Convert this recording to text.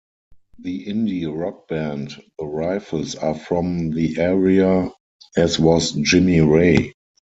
The indie rock band The Rifles are from the area as was Jimmy Ray.